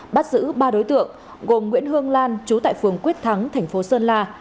bắt giữ ba đối tượng gồm nguyễn hương lan chú tại phường quyết thắng thành phố sơn la